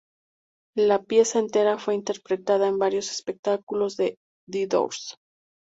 La pieza entera fue interpretada en varios espectáculos de The Doors.